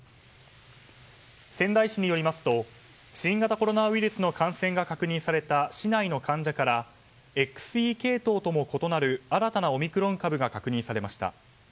仙台市によりますと新型コロナウイルスの感染が確認された市内の患者からＸＥ系統とも異なる新たなオミクロン株が確認されました。